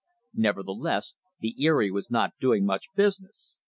Nevertheless the Erie was not doing much busi ness.